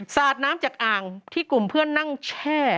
สาดน้ำจากอ่างที่กลุ่มเพื่อนนั่งแช่